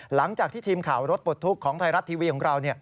หลังจากที่ทีมข่าวรถปลดทุกข์ของไทยรัฐทีวีของเรา